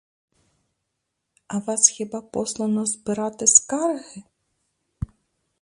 А вас хіба послано збирати скарги?